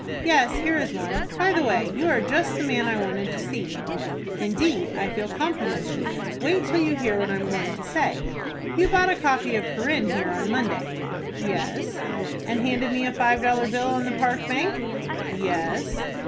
"Yes, here is one. By the way, you are just the man I wanted to see." "Indeed, I feel complimented." "Wait till you hear what I am going to say. You bought a copy of 'Corinne' here on Monday?" "Yes." "And handed me a five dollar bill on the Park Bank?" "Yes."